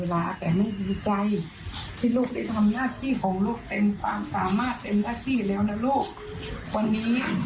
และพูดถึงความภาคคุมใจในตัวลูกนะครับ